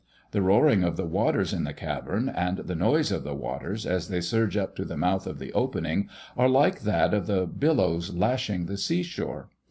The roaring of the waters in the cavern, and the noise of the waters as they surge up to the mouth of the opening, are like that of the billows lashing the sea shore.